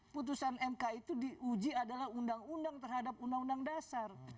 putusan mk itu diuji adalah undang undang terhadap undang undang dasar